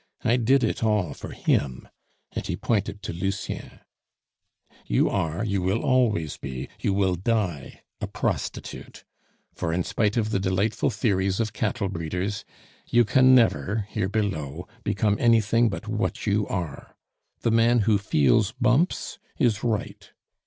"I did it all for him," and he pointed to Lucien. "You are, you will always be, you will die a prostitute; for in spite of the delightful theories of cattle breeders, you can never, here below, become anything but what you are. The man who feels bumps is right.